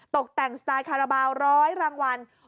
ตกแต่งสไตล์คาราบาล๑๐๐รางวัล